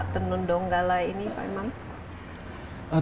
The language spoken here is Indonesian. tenun donggala ini pak imam